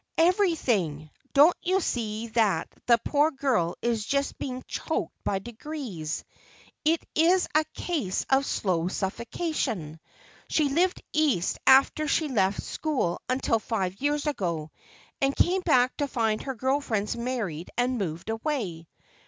"Everything! Don't you see that the poor girl is just being choked by degrees; it's a case of slow suffocation. She lived East after she left school until five years ago, and came back to find her girl friends married and moved away.